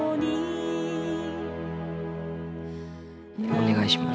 お願いします。